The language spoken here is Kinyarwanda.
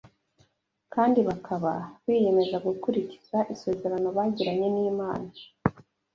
kandi bakaba biyemeza gukurikiza isezerano bagiranye n’Imana